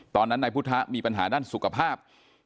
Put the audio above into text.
ตอนนั้นนายพุทธะมีปัญหาด้านสุขภาพ